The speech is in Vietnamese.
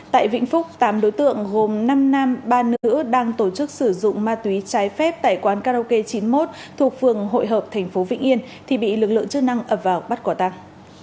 tại vĩnh phúc tám đối tượng gồm năm nam ba nữ đang tổ chức sử dụng ma túy trái phép tại quán karaoke chín mươi một thuộc phường hội hợp thành phố vĩnh yên thì bị lực lượng chức năng ập vào bắt quả tăng